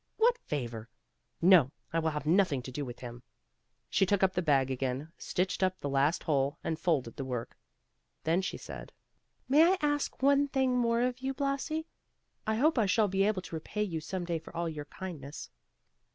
What favor? No, I will have nothing to do with him." She took up the bag again, stitched up the last hole, and folded the work. Then she said, "May I ask one thing more of you, Blasi? I hope I shall be able to repay you some day for all your kindness."